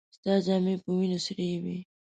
ستا جامې په وينو سرې وې.